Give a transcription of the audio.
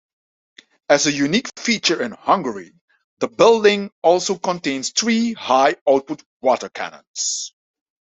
As a unique feature in Hungary, the building also contains three high-output water cannons.